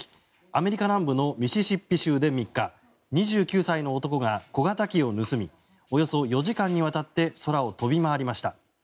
アメリカ南部のミシシッピ州で３日２９歳の男が小型機を盗みおよそ４時間にわたって空を飛び回りました。